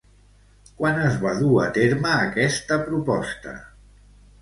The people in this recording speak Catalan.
Quan es va dur a terme aquesta proposta?